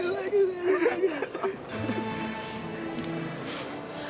aduh aduh aduh aduh